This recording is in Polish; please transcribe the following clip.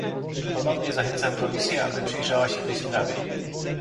Ponownie zachęcam Komisję, aby przyjrzała się tej sprawie